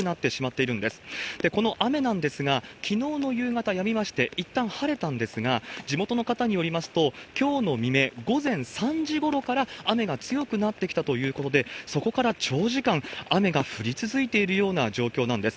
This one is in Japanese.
この雨なんですが、きのうの夕方やみまして、いったん晴れたんですが、地元の方によりますと、きょうの未明午前３時ごろから雨が強くなってきたということで、そこから長時間、雨が降り続いているような状況なんです。